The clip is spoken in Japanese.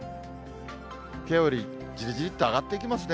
きょうよりじりじりっと上がっていきますね。